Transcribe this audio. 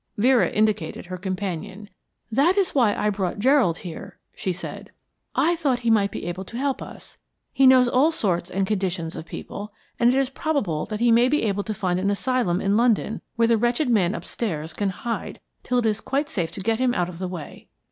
Vera indicated her companion. "That is why I brought Gerald here," she said. "I thought he might he able to help us. He knows all sorts and conditions of people, and it is probable that he may be able to find an asylum in London where the wretched man upstairs can hide till it is quite safe to get him out of the way."